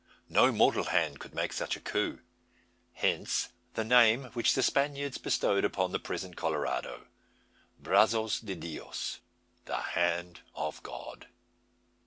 No mortal hand could make such a coup. Hence the name which the Spaniards bestowed upon the present Colorado, Brazos de Dios the "Hand of God."